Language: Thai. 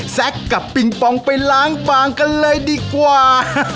แซคกับปิงปองไปล้างบางกันเลยดีกว่า